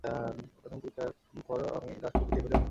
প্রথামিক পরীক্ষার পর আমি লাশটির পুঁতিয়া ফেলিবার নির্দেশ দেই।